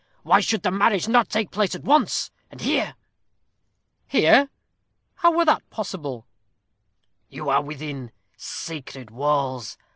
Why should the marriage not take place at once, and here?" "Here! How were that possible?" "You are within sacred walls.